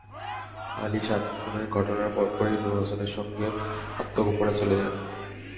আলী সাত খুনের ঘটনার পরপরই নূর হোসেনের সঙ্গে আত্মগোপনে চলে যান।